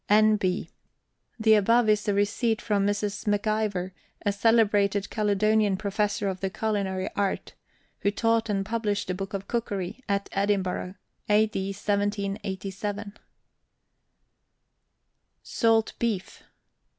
N. B. The above is a receipt from Mrs. MacIver, a celebrated Caledonian professor of the culinary art, who taught and published a book of cookery, at Edinburgh, A. D. 1787. SALT BEEF.